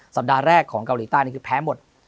สัปดาห์แรกของเกาหลีใต้นี่คือแพ้หมด